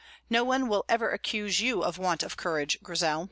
No one will ever accuse you of want of courage, Grizel."